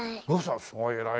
すごい偉い。